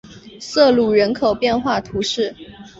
瑟卢人口变化图示